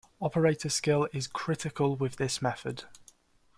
Operator skill is critical with this method.